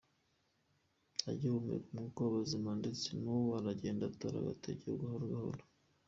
agihumeka umwuka wabazima ndetse nubu aragenda atora agatege gahoro gahoro.